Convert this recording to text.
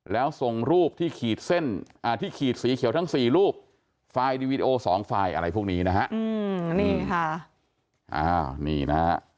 แล้วส่งรูปที่ขีดสีเขียวทั้งสี่รูปไฟล์อีดีวิดีโอสองไฟล์อะไรพวกนี้นะครับ